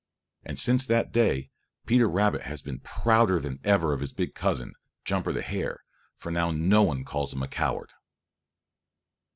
And since that day Peter Rabbit has been prouder than ever of his big cousin, Jumper the Hare, for now no one calls him a coward.